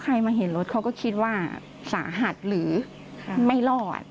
มาเห็นรถเขาก็คิดว่าสาหัสหรือไม่รอด